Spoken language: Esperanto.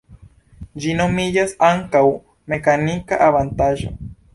Ĝi nomiĝas ankaŭ mekanika avantaĝo.